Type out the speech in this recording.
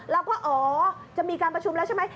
เราก็อ๋อจะมีการประชุมแล้วใช่ไหม